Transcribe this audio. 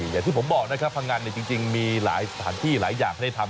อย่างที่ผมบอกนะครับพังอันจริงมีหลายสถานที่หลายอย่างให้ได้ทำ